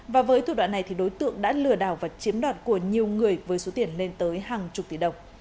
và với thủ đoạn này thì đối tượng đã lừa đảo và chiếm đoạt của nhiều người với số tiền lên tới hàng chục tỷ đồng